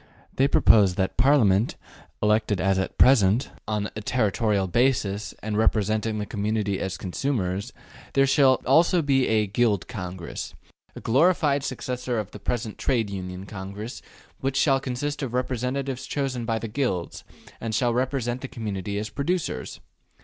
They propose that, in addition to Parliament, elected (as at present) on a territorial basis and representing the community as consumers, there shall also be a ``Guild Congress,'' a glorified successor of the present Trade Union Congress, which shall consist of representatives chosen by the Guilds, and shall represent the community as producers.